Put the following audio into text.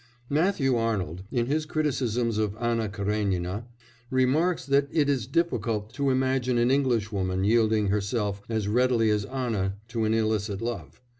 Matthew Arnold, in his criticisms on Anna Karénina, remarks that it is difficult to imagine an Englishwoman yielding herself as readily as Anna to an illicit love.